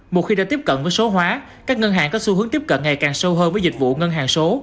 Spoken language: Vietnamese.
một khi đã tiếp cận với số hóa các ngân hàng có xu hướng tiếp cận ngày càng sâu hơn với dịch vụ ngân hàng số